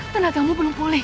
tenadanmu belum pulih